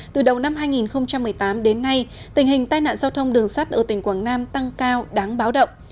từ đầu năm hai nghìn một mươi tám đến nay tình hình tai nạn giao thông đường sắt ở tỉnh quảng nam tăng cao đáng báo động